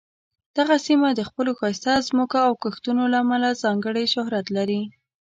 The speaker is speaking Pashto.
دغه سیمه د خپلو ښایسته ځمکو او کښتونو له امله ځانګړې شهرت لري.